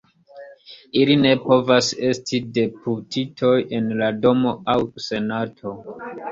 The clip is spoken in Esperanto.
Ili ne povas esti deputitoj en la Domo aŭ Senato.